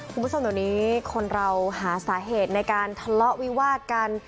คุณผู้ชมเดี๋ยวนี้คนเราหาสาเหตุในการทะเลาะวิวาดกัน